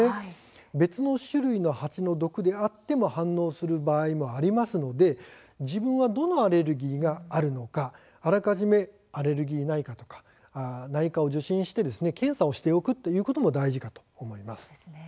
別の種類の蜂の毒であっても反応する場合がありますので自分はどのアレルギーがあるのかあらかじめアレルギー内科を受診して検査をしておくことも大事かと思います。